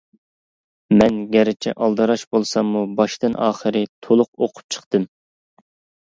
مەن گەرچە ئالدىراش بولساممۇ باشتىن-ئاخىرى تولۇق ئوقۇپ چىقتىم.